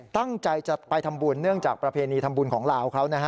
ตั้งใจจะไปทำบุญเนื่องจากประเพณีทำบุญของลาวเขานะฮะ